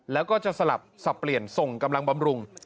แล้วก็จะสลับสับเปลี่ยนส่งกำลังบำรุง